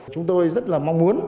chúng tôi rất là mong muốn